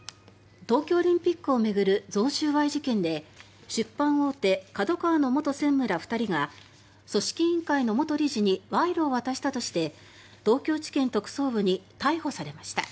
東京オリンピックを巡る贈収賄事件で出版大手・ＫＡＤＯＫＡＷＡの専務ら２人が組織委員会の元理事に賄賂を渡したとして東京地検特捜部に逮捕されました。